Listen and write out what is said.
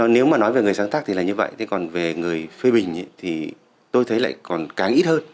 nếu mà nói về người sáng tác thì là như vậy thế còn về người phê bình thì tôi thấy lại còn càng ít hơn